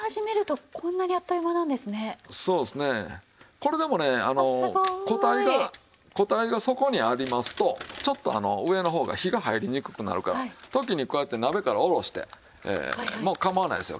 これでもね個体が底にありますとちょっと上の方が火が入りにくくなるから時にこうやって鍋から下ろしても構わないですよ。